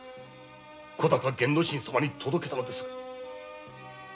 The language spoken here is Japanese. ・小高玄之進様に届けたのですが。